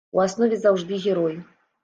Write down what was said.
У аснове заўжды герой.